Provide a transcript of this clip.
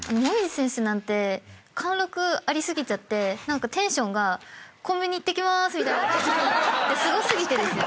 椛選手なんて貫禄ありすぎちゃって何かテンションが「コンビニ行ってきます」みたいな。